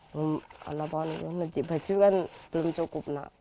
ya allah mencik baju kan belum cukup